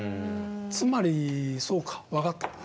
つまりそうか分かった。